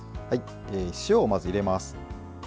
塩をまず、入れます。